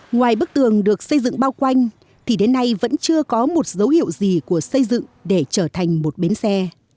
ngoài bức tường được xây dựng bao quanh thì đến nay vẫn chưa có một dấu hiệu gì của xây dựng để trở thành một bến xe